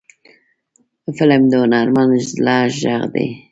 فلم د هنرمند زړه غږ دی